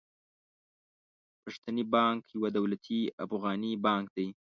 پښتني بانک يو دولتي افغاني بانک دي.